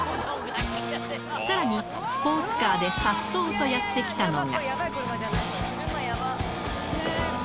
さらに、スポーツカーでさっそうとやって来たのが。